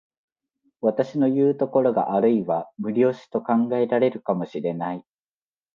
私のいう所があるいは無理押しと考えられるかも知れない。